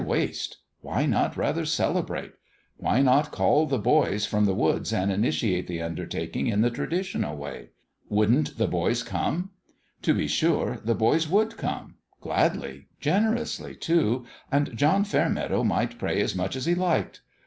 Why waste? Why not rather celebrate? Why not call the boys from the woods and initiate the undertaking in the traditional way? Wouldn't 33 IN HfS OWN BEHALF 331 the boys come? To be sure, the boys would come ! Gladly, generously, too ; and John Fair meadow might pray as much as he liked.